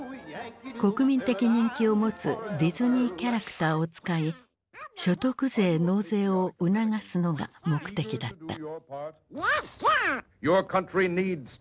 国民的人気を持つディズニーキャラクターを使い所得税納税を促すのが目的だった。